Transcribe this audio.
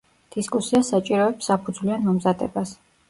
დისკუსია საჭიროებს საფუძვლიან მომზადებას.